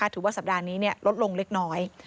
ถือว่าสัปดาห์นี้ลดลงเล็กน้อย